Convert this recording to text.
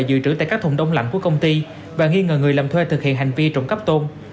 dự trữ tại các thùng đông lạnh của công ty và nghi ngờ người làm thuê thực hiện hành vi trộm cắp tôn